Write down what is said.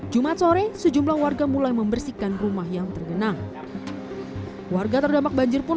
jumat sore sejumlah warga mulai membersihkan rumah yang tergenang warga terdampak banjir pun